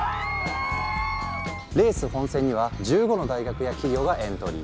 レース本戦には１５の大学や企業がエントリー。